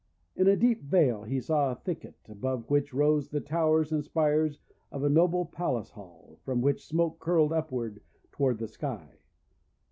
In a deep vale he saw a thicket, above which rose the towers and spires of a noble palace hall, from which smoke curled upward toward the sky.